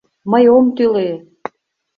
Мый ом тӱлӧ!